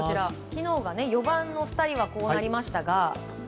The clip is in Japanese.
昨日が４番の２人はこうなりましたが。